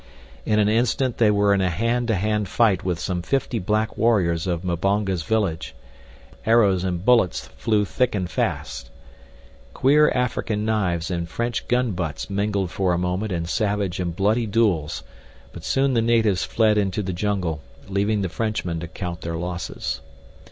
In an instant they were in a hand to hand fight with some fifty black warriors of Mbonga's village. Arrows and bullets flew thick and fast. Queer African knives and French gun butts mingled for a moment in savage and bloody duels, but soon the natives fled into the jungle, leaving the Frenchmen to count their losses.